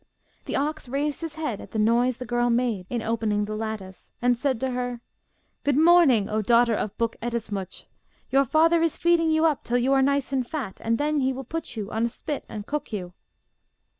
The ox raised his head at the noise the girl made in opening the lattice, and said to her, 'Good morning, O daughter of Buk Ettemsuch! Your father is feeding you up till you are nice and fat, and then he will put you on a spit and cook you.